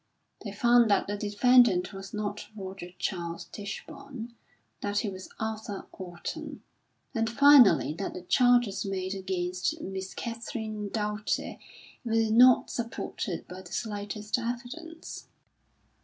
They found that the defendant was not Roger Charles Tichborne; that he was Arthur Orton; and finally that the charges made against Miss Catherine Doughty were not supported by the slightest evidence.